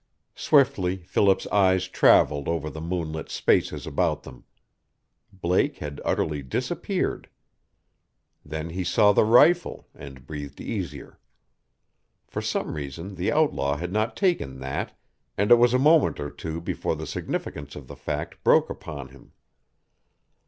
Swiftly Philip's eyes traveled over the moonlit spaces about them. Blake had utterly disappeared. Then he saw the rifle, and breathed easier. For some reason the outlaw had not taken that, and it was a moment or two before the significance of the fact broke upon him.